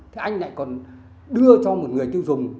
thì anh lại còn đưa cho một người tiêu dùng